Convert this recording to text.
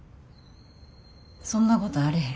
そんなことあれへん。